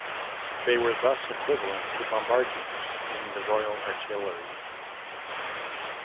They were thus equivalent to bombardiers in the Royal Artillery.